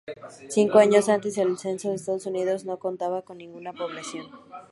Cinco años antes, en el Censo de Estados Unidos, no contaba con ninguna población.